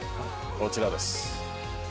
こちらです。